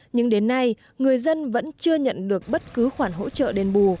nhưng đến nay người dân vẫn chưa nhận được bất cứ khoản hỗ trợ đền bù